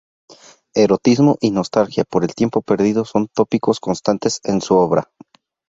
Erotismo y nostalgia por el tiempo perdido son tópicos constantes en su obra.